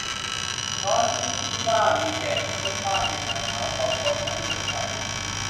ร้อนนี้ที่บ้านมีแผน ยกบ้านไปหาน้องสองคน ณ เมืองไกล